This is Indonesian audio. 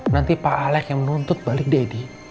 nanti pak alec yang menuntut balik dedy